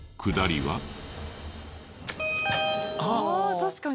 確かに。